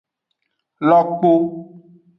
Lokpo.